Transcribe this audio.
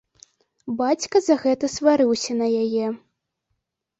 Бацька за гэта сварыўся на яе.